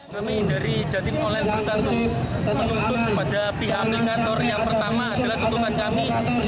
kami dari jatim online bersatu menuntut pada pihak aplikator yang pertama adalah tentukan kami